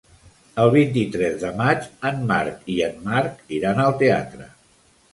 El vint-i-tres de maig en Marc i en Marc iran al teatre.